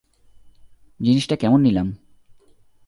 জিনিসটা কেন নিলাম?